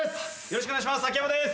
よろしくお願いします秋山です。